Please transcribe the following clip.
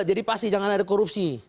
jadi pasti jangan ada korupsi